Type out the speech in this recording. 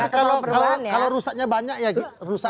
kalau rusaknya banyak ya rusak